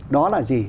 đó là gì